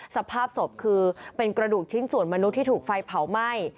สภาพศพคือเป็นกระดูกชิ้นส่วนมนุษย์ที่ถูกไฟเผาไหม้